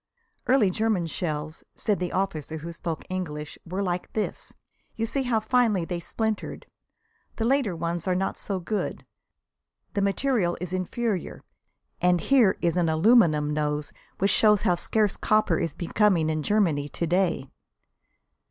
"Early German shells," said the officer who spoke English, "were like this. You see how finely they splintered. The later ones are not so good; the material is inferior, and here is an aluminum nose which shows how scarce copper is becoming in Germany to day."